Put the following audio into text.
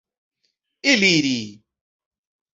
eliri